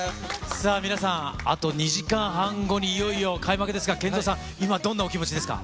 皆さん、あと２時間半後に、いよいよ開幕ですが、ケンゾーさん、今、どんなお気持ちですか？